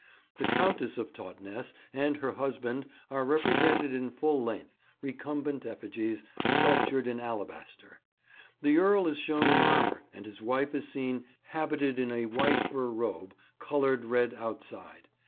The Countess of Totnes and her husband are represented in full length, recumbent effigies, sculptured in alabaster. The Earl is shown in armour and his wife is seen habited in a white fur robe, coloured red outside.